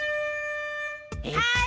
はい！